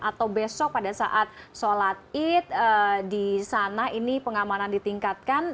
atau besok pada saat sholat id di sana ini pengamanan ditingkatkan